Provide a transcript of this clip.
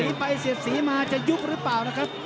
ไปเสียดสีมาจะยุบหรือเปล่านะครับ